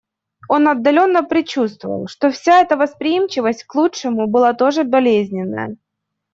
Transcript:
Он отдаленно предчувствовал, что вся эта восприимчивость к лучшему была тоже болезненная.